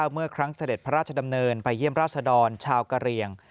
เมื่อครั้งเสด็จพระราชดำเนินไปเยี่ยมราชดรชาวกะเรียง